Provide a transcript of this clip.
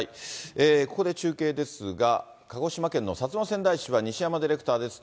ここで中継ですが、鹿児島県の薩摩川内市は西山ディレクターです。